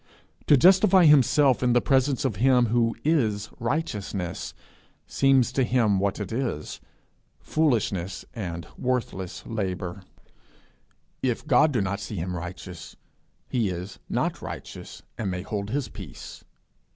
To justify himself in the presence of Him who is Righteousness, seems to him what it is foolishness and worthless labour. If God do not see him righteous, he is not righteous, and may hold his peace.